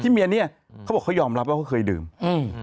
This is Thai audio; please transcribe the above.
เมียเนี้ยเขาบอกเขายอมรับว่าเขาเคยดื่มอืม